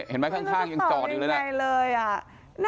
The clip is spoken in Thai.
เห็นไหมข้างยังจอดอยู่เลยน่ะ